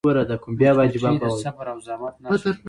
مچمچۍ د صبر او زحمت نښه ده